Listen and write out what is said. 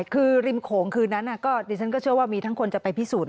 คือริมโขงคืนนั้นก็ดิฉันก็เชื่อว่ามีทั้งคนจะไปพิสูจน